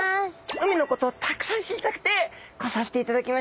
海のことをたくさん知りたくて来させていただきました。